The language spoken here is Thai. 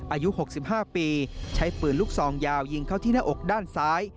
อายุ๖๕ปีใช้ปืนลูกซองยาวยิงเข้าที่หน้าอกด้านซ้าย